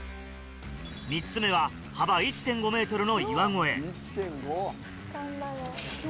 ３つ目は幅１．５ｍの岩越え。